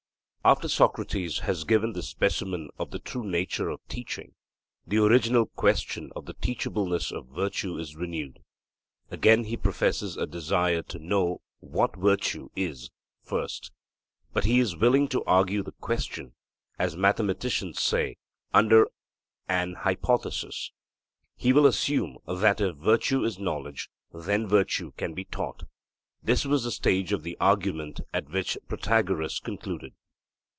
After Socrates has given this specimen of the true nature of teaching, the original question of the teachableness of virtue is renewed. Again he professes a desire to know 'what virtue is' first. But he is willing to argue the question, as mathematicians say, under an hypothesis. He will assume that if virtue is knowledge, then virtue can be taught. (This was the stage of the argument at which the Protagoras concluded.)